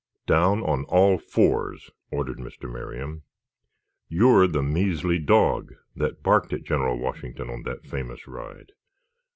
"Down on all fours," ordered Mr. Merriam. "You're the measly dog that barked at General Washington on that famous ride.